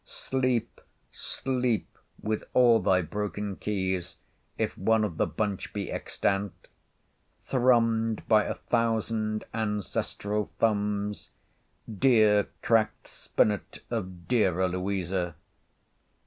Sleep, sleep, with all thy broken keys, if one of the bunch be extant; thrummed by a thousand ancestral thumbs; dear, cracked spinnet of dearer Louisa!